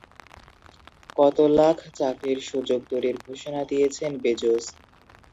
কত লাখ চাকরির সুযোগ তৈরির ঘোষণা দিয়েছেন বেজোস?